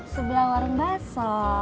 sebelah warung baso